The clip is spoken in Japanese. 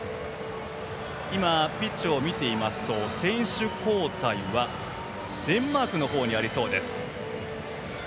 今、ピッチを見ていますと選手交代はデンマークの方にありそうです。